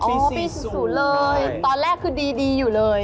ปี๐๐เลยตอนแรกคือดีอยู่เลย